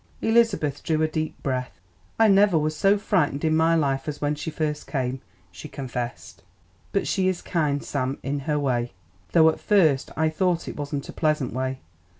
Elizabeth drew a deep breath. "I never was so frightened in my life as when she first came," she confessed. "But she is kind, Sam, in her way, though at first I thought it wasn't a pleasant way.